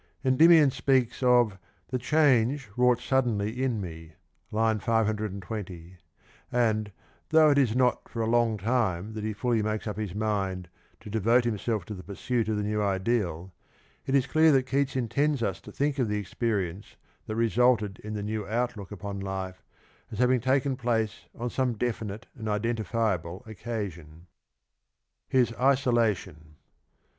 Endymion speaks of " the change wrought suddenly in me " (I. 520), and, though it is not for a long time that he fully makes up his mind to devote himself to the pur suit of the new ideal, it is clear that Keats intends us to think of the experience that resulted in the new outlook upon life as having taken place on some definite and identifiable occasion.